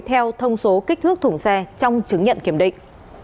theo thông số kích thước thùng xe trong chứng nhận kiểm định